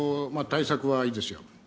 対策はいいですよ